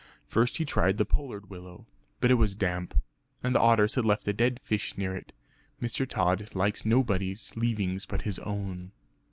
First he tried the pollard willow, but it was damp; and the otters had left a dead fish near it. Mr. Tod likes nobody's leavings but his own.